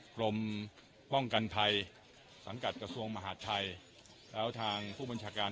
กรมป้องกันภัยสังกัดกระทรวงมหาดไทยแล้วทางผู้บัญชาการ